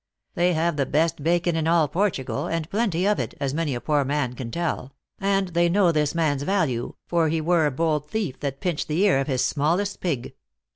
They have the best bacon in all Portugal, and plenty of it, as many a poor man can tell ; and they know this man s value, for he were a bold thief that pinched the ear of his smallest pig."